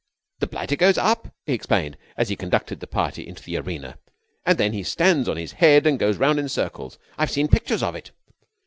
"The blighter goes up," he explained, as he conducted the party into the arena, "and then he stands on his head and goes round in circles. I've seen pictures of it."